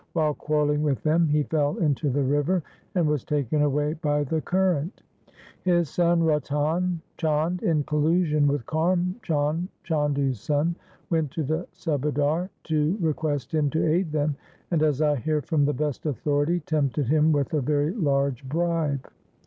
While quarrelling with them, he fell into the river, and was taken away by the current. His son Ratan Chand in collusion with Karm Chand, Chandu's son, went to the Subadar to request him to aid them, and, as I hear from the best authority, tempted him with a very large bribe.